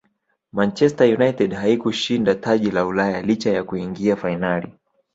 manchester united haikushinda taji la ulaya licha ya kuingia fainali